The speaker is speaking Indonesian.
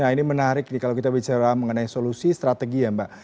nah ini menarik nih kalau kita bicara mengenai solusi strategi ya mbak